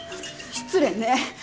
失礼ね。